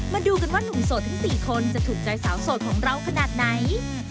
มาดูกันว่าหนุ่มโสดทั้ง๔คนจะถูกใจสาวโสดของเราขนาดไหน